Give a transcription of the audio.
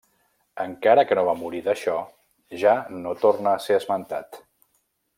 Encara que no va morir d'això ja no torna a ser esmentat.